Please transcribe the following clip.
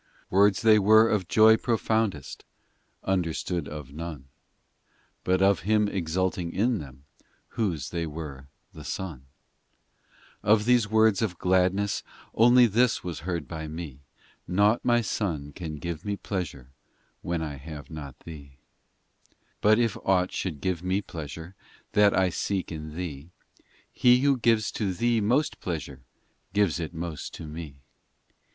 ii Words they were of joy profoundest, Understood of none, But of Him exulting in them, Whose they were the Son. in Of these words of gladness, only This was heard by me Nought, my Son, can give Me pleasure When I have not Thee, POEMS 279 IV But if aught should give Me pleasure, That I seek in Thee, He who gives to Thee most pleasure Gives it most to Me.